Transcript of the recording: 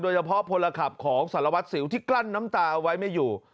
เฉพาะพลขับของสารวัตรสิวที่กลั้นน้ำตาเอาไว้ไม่อยู่